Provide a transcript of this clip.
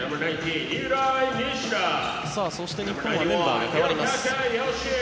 そして、日本はメンバーが代わります。